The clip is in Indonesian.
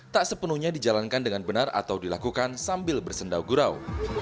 tak sepenuhnya dijalankan dengan benar atau dilakukan sambil bersendau gurau